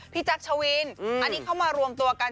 แจ๊คชวินอันนี้เข้ามารวมตัวกัน